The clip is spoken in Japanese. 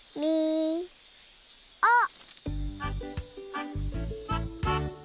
あっ！